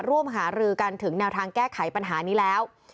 ร่วมหารือกันถึงแนวทางแก้ไขปัญหานี้แล้ว